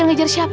baik cares ngkb